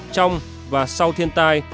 trong và sau thiên tai